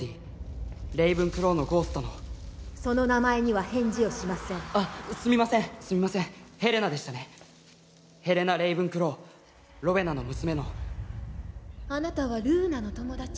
レイブンクローのゴーストのその名前には返事をしませんあっすみませんすみませんヘレナでしたねヘレナ・レイブンクローロウェナの娘のあなたはルーナの友達？